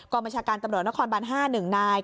บัญชาการตำรวจนครบัน๕๑นาย